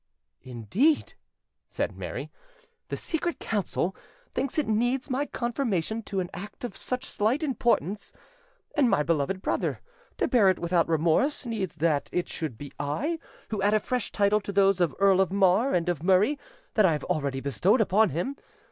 "Indeed!" said Mary. "The Secret Council thinks it needs my confirmation to an act of such slight importance? And my beloved brother, to bear it without remorse, needs that it should be I who add a fresh title to those of Earl of Mar and of Murray that I have already bestowed upon him?